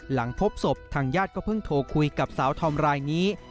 หลังพบศพทางญาติก็เพิ่งโทรคุยกับสาวธอมรายนี้